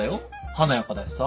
華やかだしさ。